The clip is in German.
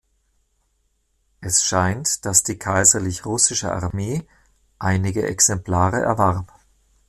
Es scheint, dass die Kaiserlich Russische Armee einige Exemplare erwarb.